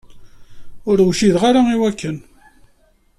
Ur wjideɣ ara i wakken.